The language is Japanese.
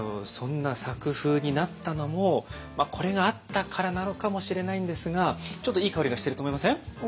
そんな作風になったのもこれがあったからなのかもしれないんですがちょっといい香りがしてると思いません？